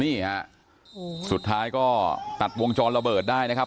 นี่ฮะสุดท้ายก็ตัดวงจรระเบิดได้นะครับ